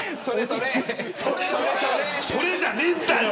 それじゃねえんだよ。